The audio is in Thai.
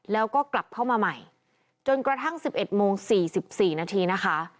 แล้วก็กลับเข้ามาใหม่จนกระทั่งสิบเอ็ดโมงสี่สิบสี่นาทีนะคะ